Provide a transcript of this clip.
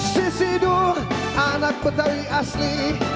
sisi duk anak betawi asli